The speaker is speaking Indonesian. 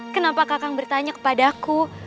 kenapa kak kang bertanya kepadaku